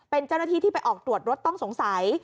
เป็นเจ้าหน้าที่ที่ไปออกตรวจรถต้องสงสัย